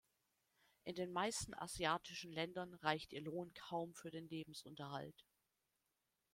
In den meisten asiatischen Ländern reicht ihr Lohn kaum für den Lebensunterhalt.